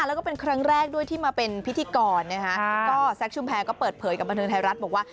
แล้วก็เป็นครั้งแรกด้วยที่มาเป็นพิธีกรนะคะก็แซคชุมแพรก็เปิดเผยกับบันเทิงไทยรัฐบอกว่า